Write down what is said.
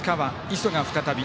磯が再び。